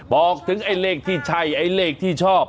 บอกถึงไอ้เลขที่ใช่ไอ้เลขที่ชอบ